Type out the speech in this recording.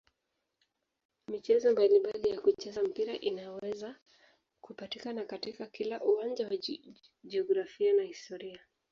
Michezo mbalimbali ya kuchezea mpira inaweza kupatikana katika kila uwanja wa jiografia na historia.